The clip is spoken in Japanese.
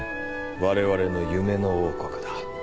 我々の夢の王国だ。